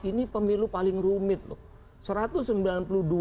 ini pemilu paling rumit loh